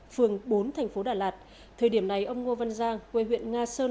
phường bốn thành phố đà lạt thời điểm này ông ngô văn giang quê huyện nga sơn